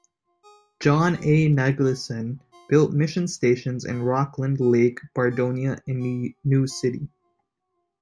John A. Nageleisen built mission stations in Rockland Lake, Bardonia, and New City.